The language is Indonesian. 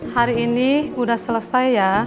hari ini sudah selesai ya